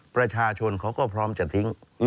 ประชาชนเขาก็พร้อมจะทิ้ง